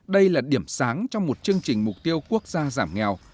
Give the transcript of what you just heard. đây là điểm sáng trong một chương trình mục tiêu quốc gia giảm nghèo